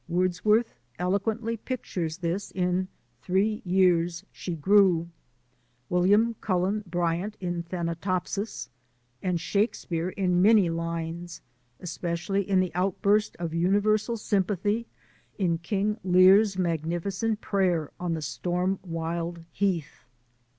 Wordsworth eloquently pictures this in "Three Years She Grew"; William Cullen Bryant in "Thanatopsis"; and Shakespeare in many lines, especially in the outburst of universal sympathy in King Lear's magnificent prayer on the storm wild heath.